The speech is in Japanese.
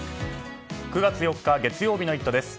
９月４日、月曜日の「イット！」です。